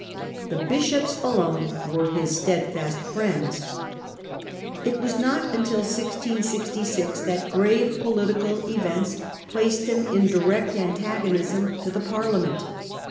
The Bishops alone were his steadfast friends. It was not until 1666 that grave political events placed him in direct antagonism to the Parliament.